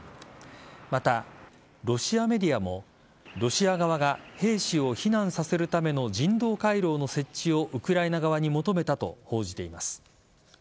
また、ロシアメディアもロシア側が兵士を避難させるための人道回廊の設置をウクライナ側に求めたと報じています。